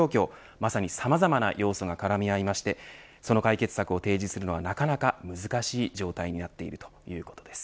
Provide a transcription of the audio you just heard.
まさに、さまざまな要素がからみ合いましてその解決策を提示するのはなかなか難しい状態になっているということです。